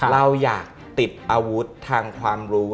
เราอยากติดอาวุธทางความรู้